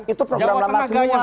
itu program lama semua